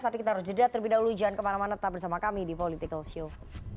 tapi kita harus jeda terlebih dahulu jangan kemana mana tetap bersama kami di political show